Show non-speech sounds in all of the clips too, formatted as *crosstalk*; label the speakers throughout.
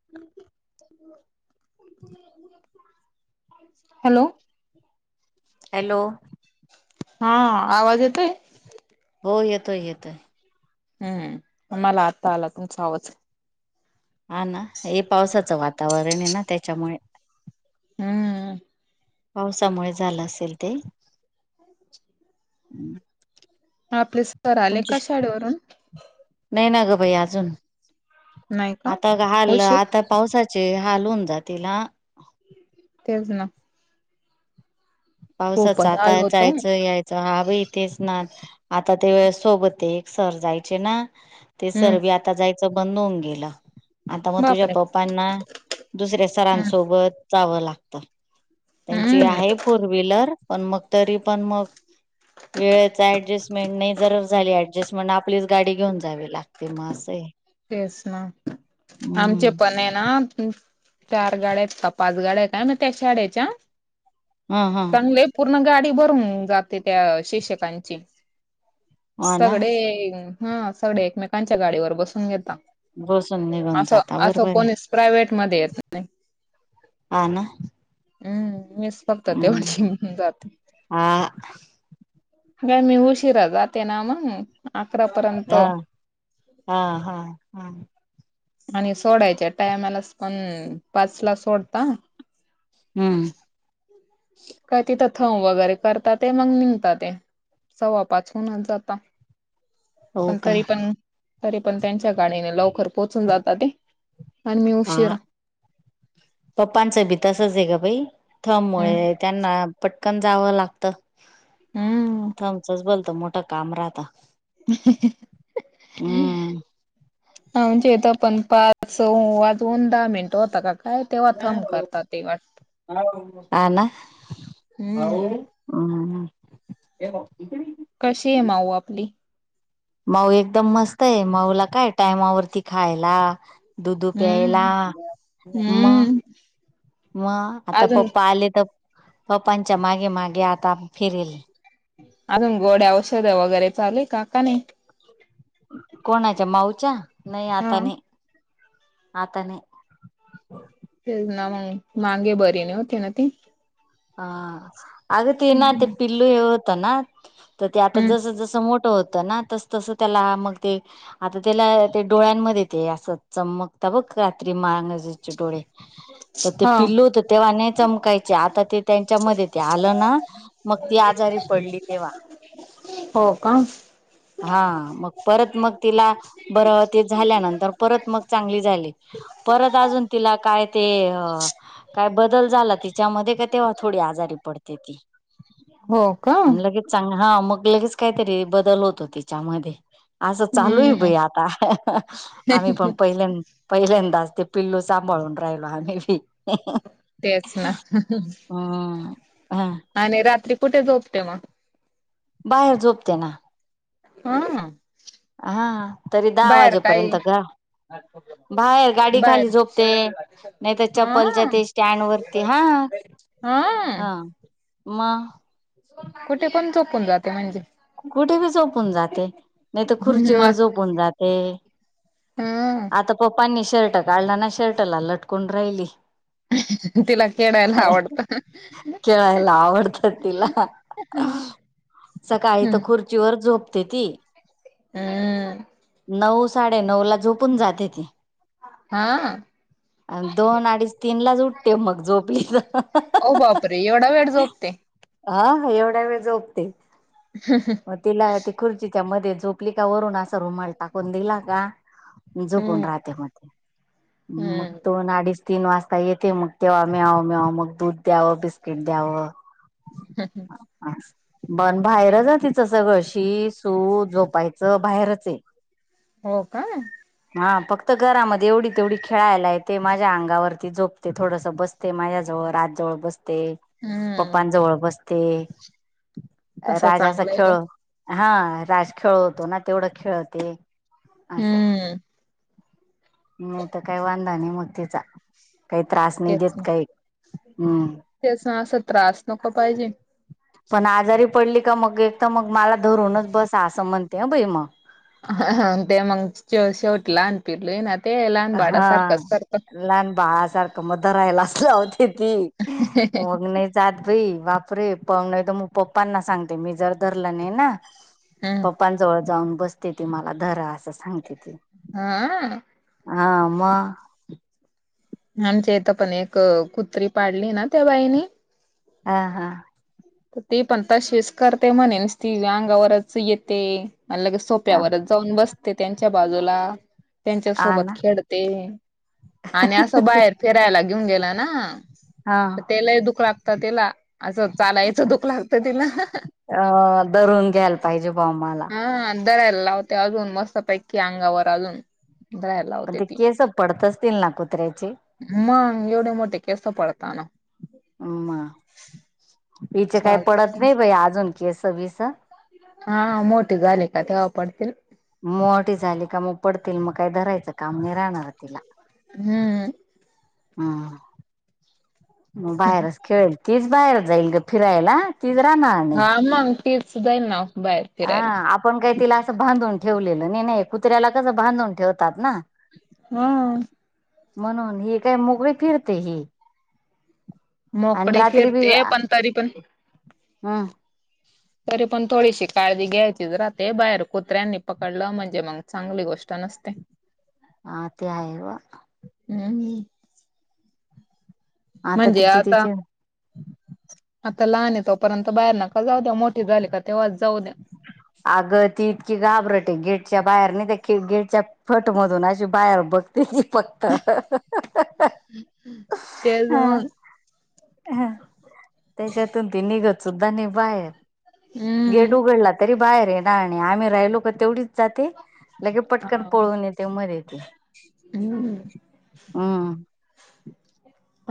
Speaker 1: *inaudible* Hello.
Speaker 2: Hello
Speaker 1: हा आवाज येतो ये.
Speaker 2: हो येतोय येतोये.
Speaker 1: हम्म प मला आत्ता आला तुमचा आवाज.
Speaker 2: हा ना हे पावसाचं वातावरण आहे ना त्याच्यामुळे.
Speaker 1: हम्म.
Speaker 2: पावसामुळे झालं असेल ते.
Speaker 1: आपले सर आले
Speaker 2: तुमची
Speaker 1: का शाळेवरून.
Speaker 2: नाही ना ग बाई अजून
Speaker 1: नाही का
Speaker 2: आता घललं
Speaker 1: उशीर
Speaker 2: आता पावसाचे हाल होवून जातेला.
Speaker 1: तेच ना.
Speaker 2: पावसाच
Speaker 1: खूपच
Speaker 2: आता
Speaker 1: आलो होतो
Speaker 2: जायचं याय च. हा बाई तेच ना. आता ते वेळेस सोबते एक सर जायचे ना ते
Speaker 1: हम्म
Speaker 2: सरबी आता जायचं बंद होऊन गेलं. आता म तुझ्या
Speaker 1: बापरे
Speaker 2: पप्पांना दुसऱ्या
Speaker 1: हम्म
Speaker 2: सरांसोबत जावं लागत. त्यांची
Speaker 1: हम्म
Speaker 2: आहे मोटर. पण मग, तरी पण मग. वेळेच ऍडजस्टमेंट, नाही जर झाली ऍडजस्टमेंट आपलीच गाडी घेऊन जावी लागते म असये.
Speaker 1: तेस ना. आमचे पणना. चार गाड्या त पाच गाड्याय. कायनछ त्या शाळेच्या?
Speaker 2: हा हा
Speaker 1: चागले पूर्ण गाडी भरून जाते त्या शिक्षकांची.
Speaker 2: हो ना
Speaker 1: सगडे हा सगडे एकमेकांच्या गाडीवर बसून घेता.
Speaker 2: बसून निघून जाता. बरोबरे.
Speaker 1: प्रायववेट मध्ये येत नाही.
Speaker 2: ह ना?
Speaker 1: हम्म मीस फक्त
Speaker 2: हम्म
Speaker 1: तेवढी जाते.
Speaker 2: हा
Speaker 1: ग मी उशिरा जाते ना म्हणून.
Speaker 2: हा. हा हा हा.
Speaker 1: आणि सोडायच्या टायमलाच पण पाच ला सोडता.
Speaker 2: हम्म.
Speaker 1: काय तिथं थंब वगैरे करताते. मग निघतात ते. सव्वा पाच हूनच जाता.
Speaker 2: हो
Speaker 1: पण
Speaker 2: का
Speaker 1: तरी पण, तरी पण त्यांच्या गाडीने लवकर पोचून जाता ते. आणि मी
Speaker 2: हा,
Speaker 1: उशिरा
Speaker 2: पप्पांचं बी तसंचे ग बाई. थंब
Speaker 1: हम्म
Speaker 2: मुळे त्यांना पटकन जावं लागत.
Speaker 1: हम्म
Speaker 2: थंबचच भलत मोठ काम राहत. हम्म
Speaker 1: *inaudible* आमच्या इथं पण पाच स वाजून दहा मिनटं होताका काय तेव्हा थम करतात. ते वाट
Speaker 2: हा ना?
Speaker 1: हम्म
Speaker 2: हम्म.
Speaker 1: कशीये माऊ आपली?
Speaker 2: माऊ एकदम मस्तये, माऊला काय टायमावरती खायला. दुधू प्यायला.
Speaker 1: हम्म
Speaker 2: म.
Speaker 1: हम्म
Speaker 2: म आता
Speaker 1: अजून
Speaker 2: पप्पा आले तर पप्पांच्या मागे मागे आता फिरेल.
Speaker 1: अजून गोड्या औषधं वगैरे चालूय का? का नाही?
Speaker 2: कोणाच्या माऊच्या? नाही
Speaker 1: हा
Speaker 2: आता नाही. आता नाही..
Speaker 1: तेच ना मंग. मांगे बरी नव्हती ना ती.
Speaker 2: हा अग ती ना. ते
Speaker 1: हम्म
Speaker 2: पिल्लू हे होत ना. ते आता जसं जसं मोठं होतं ना. तसं तसं त्याला मग ते आता त्याला ते डोळ्यांमध्ये ते असं चमकता बघ रात्री मांगजेचे डोळे. त ते
Speaker 1: हा
Speaker 2: पिल्लू होत तेव्हा नाही चमकायचे. आता ते त्यांच्या मध्ये ते आलं ना, मग ती आजारी पडली तेव्हा.
Speaker 1: हो का?
Speaker 2: हा. मग परत मग तिला बरं ते झाल्यानंतर परत मग चांगली झाली. परत अजून तिला काय ते काय बदल झाला तिच्यामध्ये का तेव्हा थोडी आजारी पडते ती.
Speaker 1: हो का?
Speaker 2: आणि लगेच चांग हा मग लगेच काहीतरी बदल होतो तिच्यामध्ये. असं चालूयं
Speaker 1: हम्म
Speaker 2: बाई आता, आम्ही पण पहिल्यां पहिल्यांदाच ते पिल्लू सांभाळून राहिलो आम्ही बी.
Speaker 1: तेच ना.
Speaker 2: ह हा.
Speaker 1: आणि रात्री कुठे झोपते मग?
Speaker 2: बाहेर झोपते ना.
Speaker 1: हा.
Speaker 2: हा, तरी दहा
Speaker 1: बाहेर काही
Speaker 2: वाजेपर्यंत ग बाहेर. गाडी खाली
Speaker 1: बाहेर
Speaker 2: झोपते. नाही तर
Speaker 1: हा
Speaker 2: चप्पलच्या ते स्टँड वरती, हा हा, म
Speaker 1: कुठे पण झोपून जाते म्हणजे.
Speaker 2: कुठे पण झोपून जाते, नाही तर खुर्चीवर
Speaker 1: म
Speaker 2: झोपून जाते.
Speaker 1: ह
Speaker 2: आता पप्पांनी शर्ट काढला ना, शर्टला लटकून राहिली.
Speaker 1: तिला खेळायला आवडत
Speaker 2: खेळायला आवडत तिला. सकाळी तर
Speaker 1: हम्म
Speaker 2: खुर्चीवर झोपते ती.
Speaker 1: हम *unintelligible*
Speaker 2: नऊ- साडे नऊला झोपून जाते ती.
Speaker 1: हा.
Speaker 2: आणि दोन, अडीच, तीन, लाच उठते मग झोपली त.
Speaker 1: ओ बाप रे, एवढा वेळ झोपते?
Speaker 2: हा एवढ्या वेळ झोपते.
Speaker 1: ह, ह
Speaker 2: मग तिला ती खुर्चीच्या मध्ये झोपली का वरून असा रुमाल टाकून दिला का जोपून
Speaker 1: हम्म
Speaker 2: राहते मग,
Speaker 1: हम्म,
Speaker 2: दोन, अडीच तीन वाजता येते मग तेव्हा म्याव -म्याव मग दूध द्यावं, बिस्किट द्यावं
Speaker 1: हम, हम,
Speaker 2: असं, बन बाहेरच तिचं सगळ शी, सू, झोपायचं बाहेरच आहे.
Speaker 1: हो का?
Speaker 2: हा फक्त घरामध्ये एवढी -तेवढी खेळायला येते. माझ्या अंगावरती जोपते थोडस बसते. ते माझ्याजवळ, राजजवळ, बसते
Speaker 1: हम्म,
Speaker 2: पप्पांजवळ बसते.
Speaker 1: तसा
Speaker 2: राजा अस
Speaker 1: चांगला आहे
Speaker 2: खेळ,
Speaker 1: बघ.
Speaker 2: हा राज खेळतो ना तेवढं खेळते. असं
Speaker 1: हम्म.
Speaker 2: नाही तर काही वांदा नाही म तीचा, काही त्रास नाही
Speaker 1: तेच
Speaker 2: देत
Speaker 1: ना.
Speaker 2: काही. हम्म
Speaker 1: तेच ना असं त्रास नको पाहिजे.
Speaker 2: पण आजारी पडली का मग, एक तर मग मला धरूनच बसा असं म्हणते ह बई मग.
Speaker 1: ते मग शेवटी लहान पिलू ना ते लहान बाळा
Speaker 2: हा
Speaker 1: सारखंच करत.
Speaker 2: लहान बाळासारखं म धरायलाच लावते ती, मग ना जात भाई वापरे पाहण तर मग पप्पांना सांगते मी जर धरलं नाही ना,
Speaker 1: हम्म,
Speaker 2: पप्पांजवळ जाऊन बसते ती मला धरा असं सांगते ती.
Speaker 1: हा आ.
Speaker 2: हा, मग.
Speaker 1: आमच्या इथ पण एक कुत्री पाळली ना त्या बाईनी.
Speaker 2: हां हां
Speaker 1: ती पण तशीच करते म्हणे निसती अंगावरच येते आणि लगेच
Speaker 2: हा
Speaker 1: सोप्यावरच जाऊन बसते त्यांच्या बाजूला. त्यांच्या
Speaker 2: आ
Speaker 1: सोबत
Speaker 2: ना
Speaker 1: खेळते आणि अस बाहेर फिरायला घेऊन गेला ना
Speaker 2: हां
Speaker 1: ते लय दुख लागत तीला अस चालाय *unintelligible* दुख लागत तिला
Speaker 2: अ धरून घ्यायला पाहिजे बा मला
Speaker 1: हां धरायला लावते अजून मस्तपैकी अंगावर अजून धरायला.
Speaker 2: पण
Speaker 1: लावते
Speaker 2: ते
Speaker 1: ती
Speaker 2: केस पडत असतील ना कुत्र्याचे.
Speaker 1: मग एवढे मोठे केस पडताना.
Speaker 2: हिचे काय
Speaker 1: चालत
Speaker 2: पडत नाही बाई अजून केस बीस.
Speaker 1: हा मोठी झालि का मग तवा पडतील.
Speaker 2: मोठी झाली का मग पडतील मग काय धरायच. काम नाही राहणार तीला
Speaker 1: हम्म
Speaker 2: हम्म बाहेरच खेळेल तीच बाहेर जाईल ग फिरायला तीच राहणार. नाही
Speaker 1: हा मग तीच जाईल ना बाहेर.
Speaker 2: हा
Speaker 1: फिरायला
Speaker 2: आपण काही तिला असं बांधून ठेवलेल नाही, नाही कुत्र्याला कस बांधून ठेवतात ना.
Speaker 1: हम्म.
Speaker 2: म्हणून ही काय मोकळी फिरते ही. अन
Speaker 1: मोकळी
Speaker 2: रात्री बी
Speaker 1: फिरते पण तरी पण
Speaker 2: हं
Speaker 1: तरी पण थोडीशी काळजी घ्यायचीच राहते, बाहेर कुत्र्यांनी पकडल म्हणजे मग चांगली गोष्ट नसते.
Speaker 2: हां ते आहे वा.
Speaker 1: हम्म
Speaker 2: आता तिचे तिचे
Speaker 1: आता लहानय तोपर्यंत बाहेर नका जाऊ द्या मोठी झाली का तेव्हाच जाऊ द्या.
Speaker 2: आग ती इतकी घाबरट आहे गेटच्या बाहेर नाही त्या गेटच्या फटमधून अशी बाहेर बघते फक्त
Speaker 1: त्याज
Speaker 2: हा
Speaker 1: मग
Speaker 2: त्याच्यातून ती निघत सुद्धा नाही बाहेर. गेट
Speaker 1: हम्म
Speaker 2: उघडला तरी बाहेर येना आणि आम्ही राहिलो का तेवढीच. जाते लगे पटकन
Speaker 1: हा.
Speaker 2: पळून येते मधेच.
Speaker 1: हम्म
Speaker 2: हम्म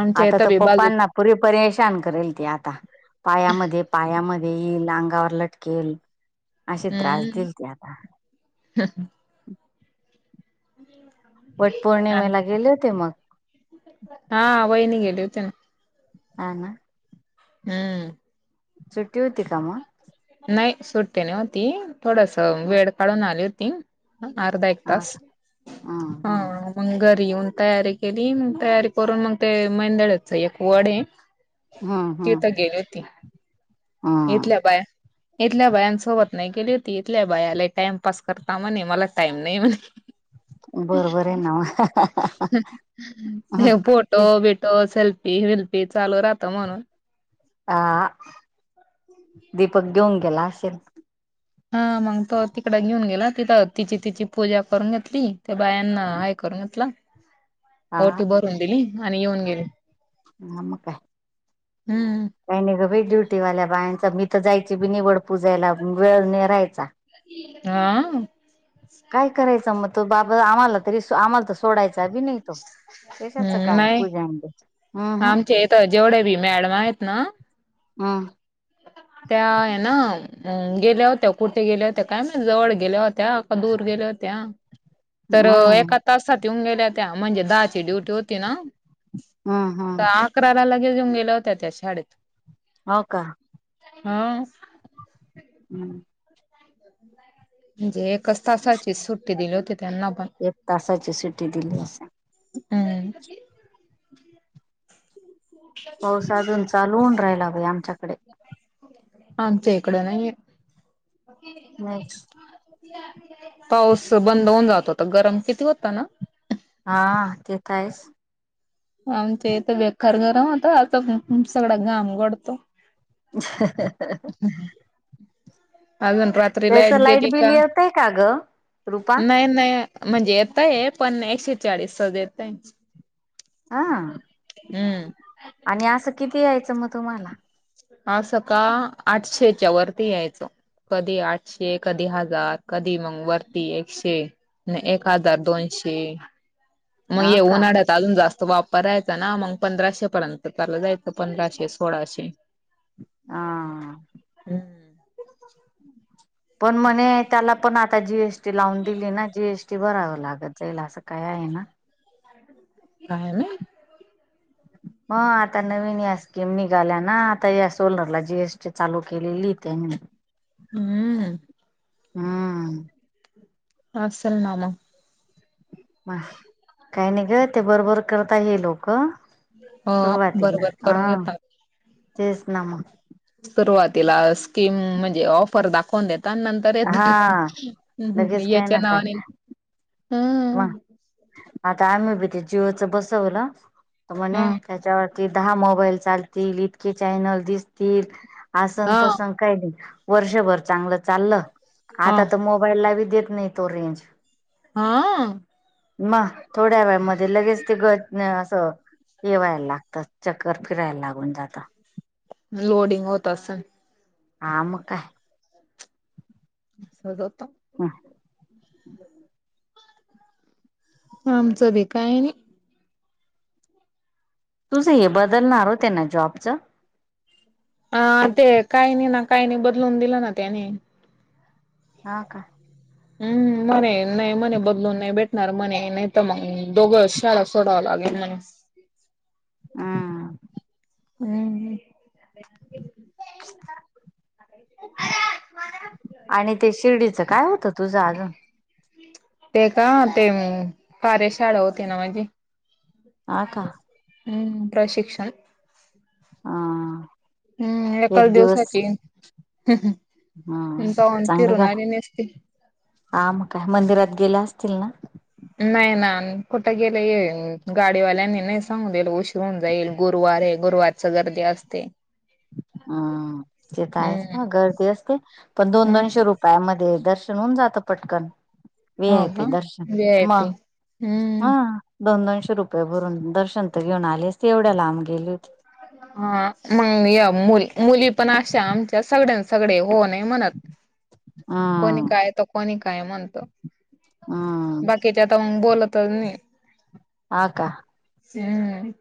Speaker 1: आमच्या
Speaker 2: आता
Speaker 1: इथं
Speaker 2: तर
Speaker 1: बी बाजू
Speaker 2: पप्पांना पुरी परेशान करेल ती आता. पायामध्ये पायामध्ये येईल अंगावर लटकेल अशी त्रास
Speaker 1: हम्म
Speaker 2: देईल ती आता.
Speaker 1: *inaudible* ह *unintelligible*
Speaker 2: वट पौर्णिमेला गेले होते मग.
Speaker 1: हा वहिनी गेली होती ना.
Speaker 2: हा ना.
Speaker 1: हम्म.
Speaker 2: सुट्टी होती का मग?
Speaker 1: नाही सुट्टी नव्हती, थोडस वेळ काढून आली होती. अर्धा एक
Speaker 2: हा
Speaker 1: तास
Speaker 2: हम्म
Speaker 1: हा
Speaker 2: हम्म
Speaker 1: मंग घरी येऊन तयारी देईन मग तयारी करून मग ते मैंदळच एक वड आहे.
Speaker 2: हम्म
Speaker 1: ते
Speaker 2: हम्म
Speaker 1: त गेली होती इथलं
Speaker 2: हम्म
Speaker 1: काय? इथल्या बायांसोबत नाही केेली होती, इथल्या बायाला टाइम पास करता म्हणे मला टाइम नाही म्हणे.
Speaker 2: बरोबर आहे ना मग
Speaker 1: फोटो बिटो सेल्फी वेल्फी चालू राहत म्हणून.
Speaker 2: ह दीपक घेऊन गेला असेल
Speaker 1: हा मग तो तिकड घेऊन गेला, तिथं तिची तिची पूजा करून घेतली, ते बायांना ऐक कर म्हटलं
Speaker 2: हा.
Speaker 1: ओटी भरून दिली आणि येऊन गेली.
Speaker 2: आम काय
Speaker 1: हम्म.
Speaker 2: काही नाही गं भे डुटील्या बायांचा मी तर जायची बी नि वड पूजायला वेळ न राहायचा.
Speaker 1: हा.
Speaker 2: काय करायचं मग, तो बाबा आम्हाला तरी आम्हाला त सोडायचा बी नाही तो कशाच
Speaker 1: हम्म
Speaker 2: काय पूजा अ हम्म हम्
Speaker 1: जेवढे बी मॅडम आहेत ना,
Speaker 2: हम.
Speaker 1: त्या ना गेल्या हो त्या कुठ गेल्या होत्या काय माहित जवळ गेले होते त्या दूर गेल्या होत्या
Speaker 2: हम्म
Speaker 1: तर
Speaker 2: हम्म
Speaker 1: एका तासात येऊन गेल्या त्या म्हणजे, दहाची ड्युटी होती ना
Speaker 2: हम्म
Speaker 1: तर
Speaker 2: हम्म
Speaker 1: तक्रारा लगेऊन गेल्या होत्या त्या शाळेत.
Speaker 2: हो का.
Speaker 1: हा.
Speaker 2: हम्म
Speaker 1: *unintelligible* म्हणजे एकच तासाची सुट्टी दिली होती त्यांना पण,
Speaker 2: एक तासाची सुटी दिली असन
Speaker 1: हम *unintelligible*
Speaker 2: पाऊस अजून चालवून राहायला बई आमच्याकडे
Speaker 1: आमच्या इकडं नाही येत.
Speaker 2: नाही
Speaker 1: पाऊस बंद होऊन जातोता गरम किती होता ना
Speaker 2: हा ते तर आहेच.
Speaker 1: आमच्या इथं बेख घरम होत आता सगळा घाम घडतो.
Speaker 2: *inaudible*
Speaker 1: ह् अजून रात त्री
Speaker 2: त्याच
Speaker 1: लाईट गेली का,
Speaker 2: बिल येतय का ग रुपा
Speaker 1: नाही नाही म्हणजे येतय पनना एकशे चाळीस येतय.
Speaker 2: हा
Speaker 1: हम्म
Speaker 2: आणि असं किती यायचं मग तुम्हाला?
Speaker 1: हा सकाळ आठशेच्या वरती यायच कधी आठशे कधी हजार कधी मग वरती एकशे नाही एक हजार दोनशे मग
Speaker 2: ह
Speaker 1: ये
Speaker 2: का
Speaker 1: उन्हाळ्यात चालून जास्त वापर राहायचा ना मग पंधराशे पर्यंत चालं जायचं पंधराशे सोळाशे
Speaker 2: हा
Speaker 1: हम्म
Speaker 2: पण म्हणे त्याला पण आता जी. एस. टी लावून दिली ना जी. एस. टी बरावं लागत जाईल असं काय आहे ना.
Speaker 1: काय आहे.
Speaker 2: म आता नवीन या स्कीम निघाल्या ना आता या सोलरला जीएसटी चालू केलेली त्यांनी
Speaker 1: हम्
Speaker 2: हम्
Speaker 1: ह असल नाम
Speaker 2: काही नाही ग ते बरोबर करता हे लोक
Speaker 1: हो
Speaker 2: सुरवातीला
Speaker 1: बरोबर करून
Speaker 2: हह
Speaker 1: घेता.
Speaker 2: तेच ना म
Speaker 1: सुरुवातीला स्कीम म्हणजे ऑफर दाखवून देत तन नंतर येत्
Speaker 2: हा लगेच
Speaker 1: येच्या नाव *unintelligible*
Speaker 2: म आता आम्ही बी ते जीवच बसवलं
Speaker 1: हा
Speaker 2: म्हणे त्याच्यावर ते दहा मोबाईल चालतील इतके चॅनल दिसतील
Speaker 1: हा
Speaker 2: आंत *unintelligible* काही नाही वर्षभर चांगलं चाललं
Speaker 1: हा
Speaker 2: आता तर मोबाईलला बी देत नाही तो रेंज
Speaker 1: हा
Speaker 2: म थोड्या वेळामध्येध्ये लगेच ते गट असं येवायला लागतात चक्कर फिरायला लागून जातं
Speaker 1: लोडिंग होत अस
Speaker 2: आ म काय?
Speaker 1: स ह
Speaker 2: हा
Speaker 1: आमचं बी काय आणि
Speaker 2: तुझं हे बदलणार ह त्यांना जॉबचं
Speaker 1: अ ते काही नाही ना काही नाही बदलून दिलं ना त्याने?
Speaker 2: हा का
Speaker 1: हम्म मणे नाही मने बदलून नाही भेटणार मणे नाही तर मग दोघंच शाळा सोडाव लागेल म्हण
Speaker 2: हम
Speaker 1: हम्म.
Speaker 2: आणि ते शिर्डीचं काय होतं तुझं अजून?
Speaker 1: ते का ते कार्यशाळा होती ना माझी.
Speaker 2: हा का
Speaker 1: हम्म प्रशिक्षण.
Speaker 2: हां
Speaker 1: हम्म एकाल दिवसाची
Speaker 2: हा
Speaker 1: जाऊन फिरून आली नेसती
Speaker 2: हां म काय मंदिरात गेल्या असतील ना?
Speaker 1: नाही ना कुठं गेलं ये गाडीवाल्यांनी नाही सांगू दिलं उशीर होऊन जाईल गुरुवार आहे गुरुवार गर्दी असते
Speaker 2: हम ते तर
Speaker 1: हम्म
Speaker 2: आहे गर्दी असते पण दोन
Speaker 1: हम्म
Speaker 2: दोनशे रुपय *unintelligible* दर्शन होऊन जातं पटकन. वी
Speaker 1: हो
Speaker 2: आय पी
Speaker 1: का
Speaker 2: दर्शन
Speaker 1: वी आय
Speaker 2: म
Speaker 1: पी हम्म
Speaker 2: हां दोन दोनशे रुपये भरून दर्शन तर घेऊन आली असती एवढ्या लांब गेली होती.
Speaker 1: हा मग या मुल मुली पण अशा आमच्या सगळ्यां सगळे ओ नाही म्हणत.
Speaker 2: *inaudible*
Speaker 1: कोणी
Speaker 2: हम्म
Speaker 1: काय त कोणी काय म्हणतो
Speaker 2: हम्म
Speaker 1: बाकी *unintelligible* ते आता मग बोलतच नाही.
Speaker 2: हां का?
Speaker 1: हम्म